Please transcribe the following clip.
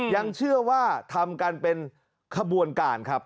ยังเชื่อว่าทำกันเป็นขบวนการครับ